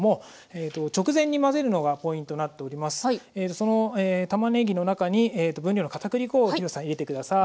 そのたまねぎの中に分量の片栗粉を廣瀬さん入れて下さい。